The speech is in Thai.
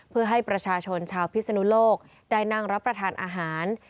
เพื่อให้ประชาชนชาวพิศนุโลกได้นั่งรับประทานอาหาร